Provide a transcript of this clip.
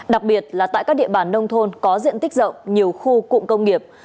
đặc biệt là tại các địa bàn nông thôn có diện tích rộng nhiều khu cụm công nghiệp